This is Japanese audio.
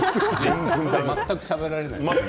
全くしゃべれない。